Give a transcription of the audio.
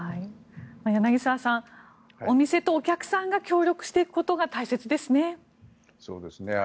柳澤さん、お店とお客さんが協力していくことがそうですね。